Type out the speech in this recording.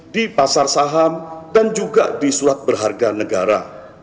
di pasar saham dan juga di surat berharga negara